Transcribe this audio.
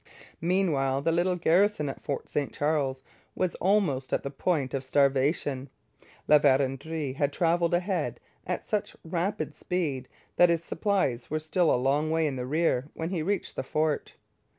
Meanwhile the little garrison at Fort St Charles was almost at the point of starvation. La Vérendrye had travelled ahead at such rapid speed that his supplies were still a long way in the rear when he reached the fort.